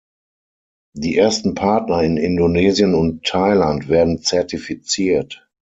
Die ersten Partner in Indonesien und Thailand werden zertifiziert.